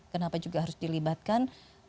kenapa juga harus dilibatkan